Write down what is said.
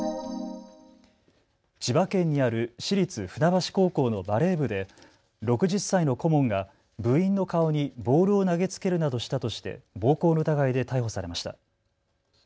千葉県にある市立船橋高校のバレー部で６０歳の顧問が部員の顔にボールを投げつけるなどしたとして暴行の疑いで逮捕されました。